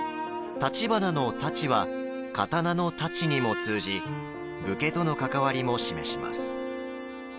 橘の「たち」は刀の太刀にも通じ武家との関わりも示します。